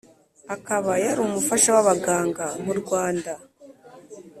akaba yari umufasha w abaganga mu Rwanda